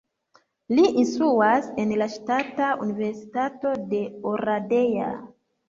Li instruas en la Ŝtata Universitato de Oradea.